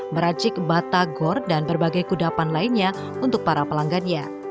meracik batagor dan berbagai kudapan lainnya untuk para pelanggannya